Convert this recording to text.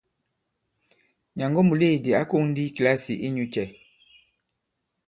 Nyàngo muleèdi ǎ kōŋ ndi i kìlasì inyū cɛ ?